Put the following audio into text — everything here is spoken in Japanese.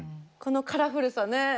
このカラフルさね。